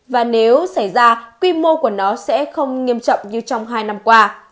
và nếu xảy ra quy mô của nó sẽ không nghiêm trọng như trong hai năm qua